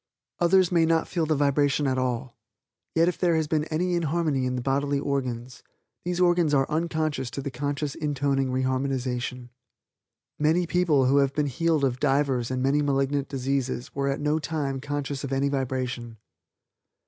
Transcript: Others may not feel the vibration at all, yet if there has been any inharmony in the bodily organs, these organs are unconscious to the conscious intoning re harmonization. Many people who have been healed of divers and many malignant diseases were at no time conscious of any vibration.